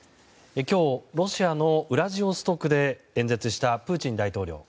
今日、ロシアのウラジオストクで演説したプーチン大統領。